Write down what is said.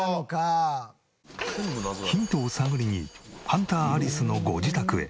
ヒントを探りにハンターアリスのご自宅へ。